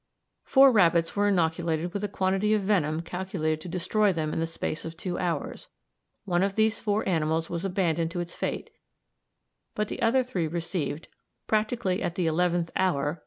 Four rabbits were inoculated with a quantity of venom calculated to destroy them in the space of two hours; one of these four animals was abandoned to its fate, but the other three received, practically at the eleventh hour, viz.